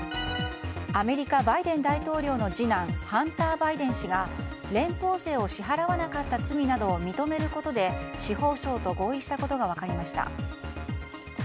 アメリカ、バイデン大統領の次男ハンター・バイデン氏が連邦税を支払わなかった罪などを認めることで、司法省と合意したことが分かりました。